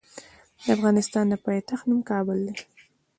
د افغانستان د پايتخت نوم کابل دی.